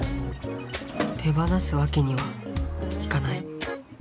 手放すわけにはいかない。